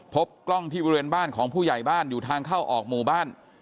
พบกล้องที่บริเวณบ้านของผู้ใหญ่บ้านอยู่ทางเข้าออกหมู่บ้าน